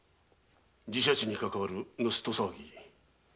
寺社地にかかわる盗人騒ぎ。